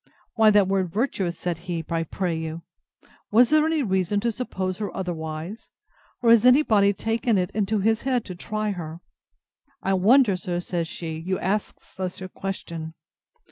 Why that word virtuous, said he, I pray you? Was there any reason to suppose her otherwise? Or has any body taken it into his head to try her?—I wonder, sir, says she, you ask such a question!